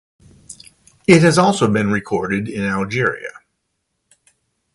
It has also been recorded in Algeria.